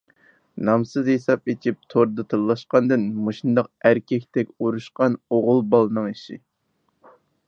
نامسىز ھېساپ ئېچىپ توردا تىللاشقاندىن مۇشۇنداق ئەركەكتەك ئۇرۇشقان ئوغۇل بالىنىڭ ئىشى.